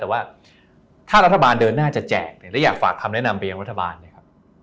แต่ว่าถ้ารัฐบาลเดินหน้าจะแจกเนี่ยแล้วอยากฝากคำแนะนำไปยังรัฐบาลนะครับ